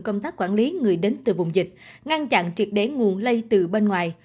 công tác quản lý người đến từ vùng dịch ngăn chặn triệt để nguồn lây từ bên ngoài